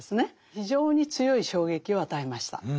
非常に強い衝撃を与えました。